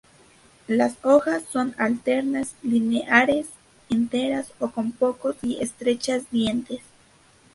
Las hojas son alternas, lineares, enteras o con pocos y estrechas dientes.